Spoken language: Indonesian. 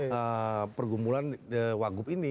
jadi pergumulan wakil ini